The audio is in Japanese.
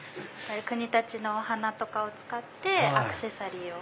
国立のお花とかを使ってアクセサリーを。